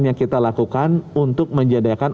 yang kita lakukan untuk menjadakan